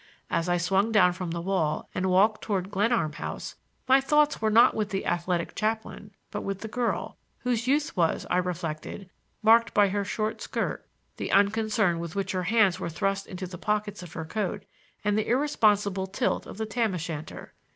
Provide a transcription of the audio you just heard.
As I swung down from the wall and walked toward Glenarm House, my thoughts were not with the athletic chaplain, but with the girl, whose youth was, I reflected, marked by her short skirt, the unconcern with which her hands were thrust into the pockets of her coat, and the irresponsible tilt of the tam o' shanter.